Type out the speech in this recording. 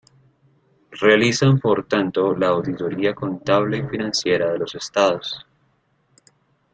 Realizan por tanto la auditoría contable y financiera de los estados.